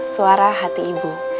suara hati ibu